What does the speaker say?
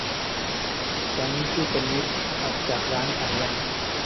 แก๊งที่เป็นมิตรออกจากร้านขายยา